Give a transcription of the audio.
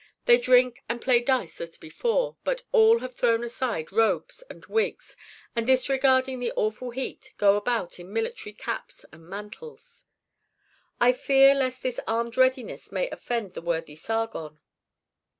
They drink and play dice as before; but all have thrown aside robes and wigs, and, disregarding the awful heat, go about in military caps and mantles. "I fear lest this armed readiness may offend the worthy Sargon."